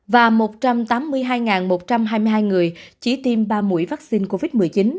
và một trăm tám mươi hai một trăm hai mươi hai người chỉ tiêm ba mũi vaccine covid một mươi chín